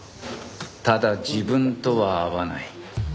ただ自分とは合わない